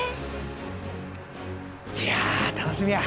いや楽しみや。